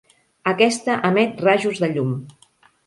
Aquesta emet rajos de llum.